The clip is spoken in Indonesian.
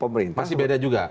masih beda juga